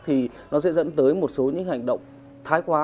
thì nó sẽ dẫn tới một số những hành động thái quá